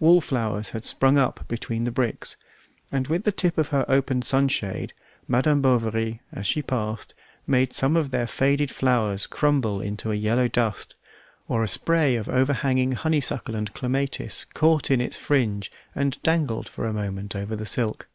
Wallflowers had sprung up between the bricks, and with the tip of her open sunshade Madame Bovary, as she passed, made some of their faded flowers crumble into a yellow dust, or a spray of overhanging honeysuckle and clematis caught in its fringe and dangled for a moment over the silk.